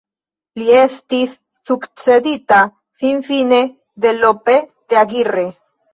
Li estis sukcedita finfine de Lope de Aguirre.